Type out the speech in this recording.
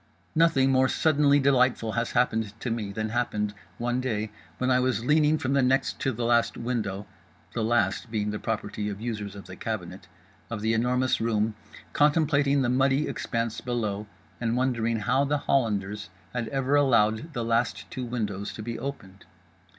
Nothing more suddenly delightful has happened to me than happened, one day, when I was leaning from the next to the last window—the last being the property of users of the cabinet—of The Enormous Room, contemplating the muddy expanse below, and wondering how the Hollanders had ever allowed the last two windows to be opened.